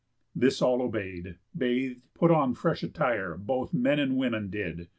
This all obey'd; bath'd, put on fresh attire Both men and women did.